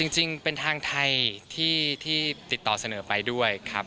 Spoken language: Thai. จริงเป็นทางไทยที่ติดต่อเสนอไปด้วยครับ